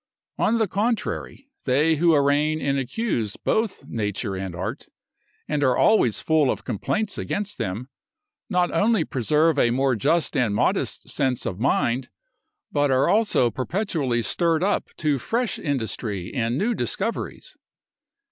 On the contrary, they who arraign and accuse both nature and art, and are always full of complaints against them, not only preserve a more just and modest sense of mind, but are also perpetually stirred up to fresh industry and new discoveries.